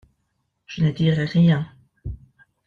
Je ne dirai rien.